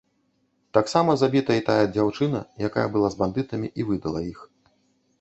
Таксама забіта й тая дзяўчына, якая была з бандытамі і выдала іх.